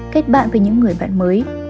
kết bạn với những người bạn mới